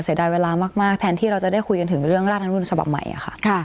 เสียดายเวลามากแทนที่เราจะได้คุยกันถึงเรื่องรัฐธรรมนุนฉบับใหม่ค่ะ